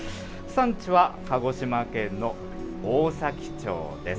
産地は鹿児島県の大崎町です。